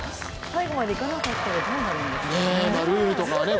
最後までいかなかったらどうなるんですかね？